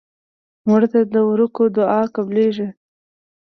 مړه ته د ورکو دعا قبلیږي